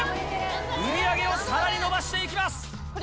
売り上げをさらに伸ばしていきます。